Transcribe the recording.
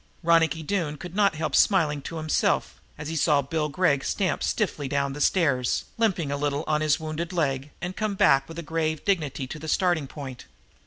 Ronicky Doone could not help smiling to himself, as he saw Bill Gregg stump stiffly down the stairs, limping a little on his wounded leg, and come back with a grave dignity to the starting point.